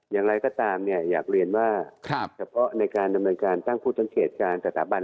อย่างไรก็ตามเนี่ยอยากเรียนว่าเฉพาะในการดำเนินการตั้งผู้สังเกตการสถาบัน